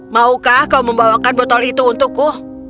maukah kau membawakan botol itu untukku